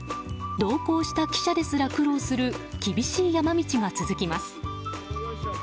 同行した記者ですら苦労する厳しい山道が続きます。